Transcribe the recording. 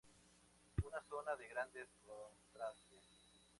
Una zona de grandes contrastes.